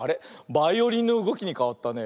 バイオリンのうごきにかわったね。